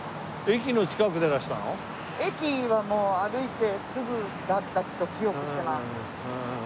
駅はもう歩いてすぐだったと記憶してます。